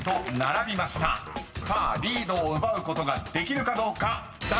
［さあリードを奪うことができるかどうか］